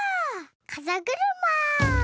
かざぐるま。